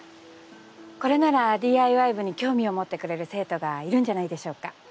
これならＤＩＹ部に興味を持ってくれる生徒がいるんじゃないんでしょうか。